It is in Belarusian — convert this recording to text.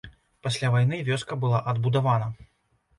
Пасля вайны вёска была адбудавана.